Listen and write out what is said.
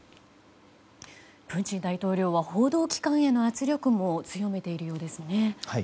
プーチン大統領は報道機関への圧力も強めているようですね。